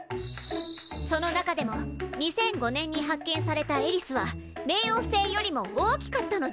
その中でも２００５年に発見されたエリスは冥王星よりも大きかったのです！